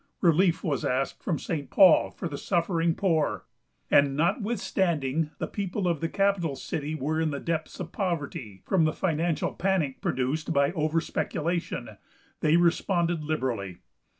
Relief was asked from St. Paul for the suffering poor, and notwithstanding the people of the capital city were in the depths of poverty, from the financial panic produced by over speculation, they responded liberally.